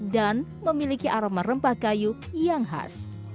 dan memiliki aroma rempah kayu yang khas